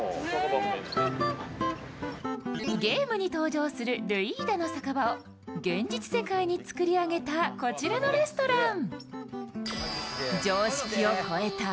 ゲームに登場するルイーダの酒場を現実世界に作り上げた、こちらのレストラン。